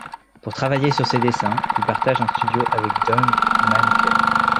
Pour travailler sur ses dessins, il partage un studio avec Doug Mahnke.